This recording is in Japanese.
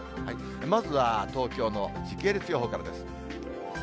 まずは東京の時系列予報からです。